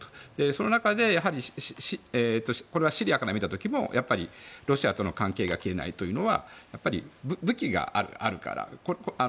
その中で、シリアから見た時もロシアとの関係が消えないというのは武器があるから。